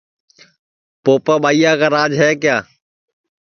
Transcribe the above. پوپا ٻائیا کا راج ہے کیا